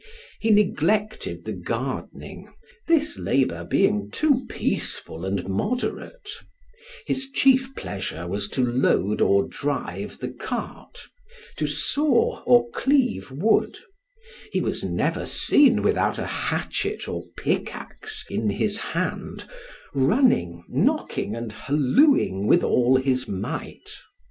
He neglected the gardening, this labor being too peaceful and moderate; his chief pleasure was to load or drive the cart, to saw or cleave wood; he was never seen without a hatchet or pick axe in his hand, running, knocking and hallooing with all his might.